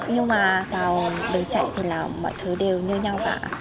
nhưng mà vào đường chạy thì mọi thứ đều như nhau cả